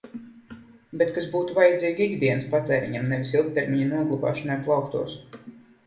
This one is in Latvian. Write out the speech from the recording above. Bet kas būtu vajadzīgi ikdienas patēriņam, nevis ilgtermiņa noglabāšanai plauktos.